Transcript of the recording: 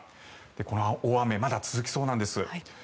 この大雨まだ続きそうなんです。